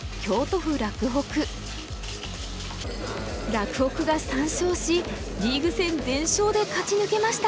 洛北が３勝しリーグ戦全勝で勝ち抜けました。